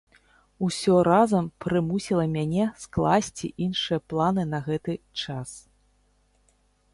Усё разам прымусіла мяне скласці іншыя планы на гэты час.